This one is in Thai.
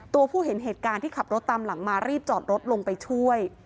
ผู้เห็นเหตุการณ์ที่ขับรถตามหลังมารีบจอดรถลงไปช่วย